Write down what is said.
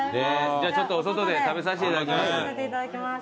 じゃあちょっとお外で食べさせていただきます。